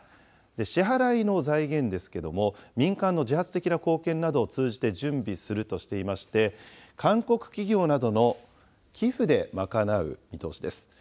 支払いの財源ですけども、民間の自発的な貢献などを通じて、準備するとしていまして、韓国企業などの寄付で賄う見通しです。